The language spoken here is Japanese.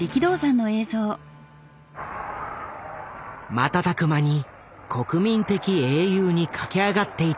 瞬く間に国民的英雄に駆け上がっていった力道山。